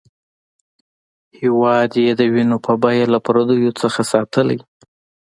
هېواد یې د وینې په بیه له پردیو څخه ساتلی.